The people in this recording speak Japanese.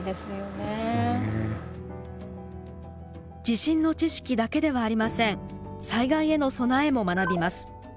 地震の知識だけではありません災害への備えも学びます。